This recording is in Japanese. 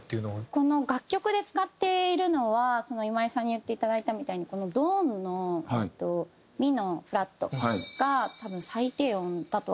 この楽曲で使っているのは今井さんに言っていただいたみたいに『ｄａｗｎ』のミのフラットが多分最低音だとは思うんですけど。